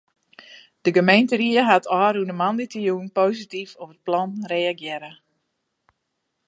De gemeenteried hat ôfrûne moandeitejûn posityf op it plan reagearre.